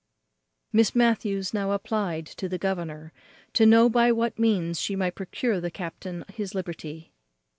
Miss Matthews now applied to the governor to know by what means she might procure the captain his liberty.